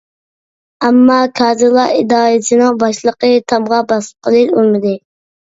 ئەمما كادىرلار ئىدارىسىنىڭ باشلىقى تامغا باسقىلى ئۇنىمىدى.